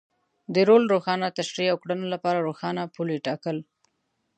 د رول روښانه تشرېح او کړنو لپاره روښانه پولې ټاکل.